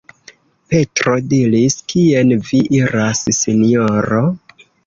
Petro diris: "Kien vi iras, Sinjoro?